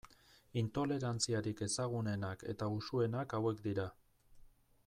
Intolerantziarik ezagunenak eta usuenak hauek dira.